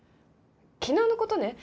昨日のことね